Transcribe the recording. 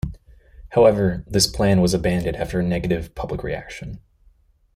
However, this plan was abandoned after a negative public reaction.